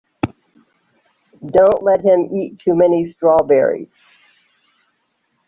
Don't let him eat too many strawberries.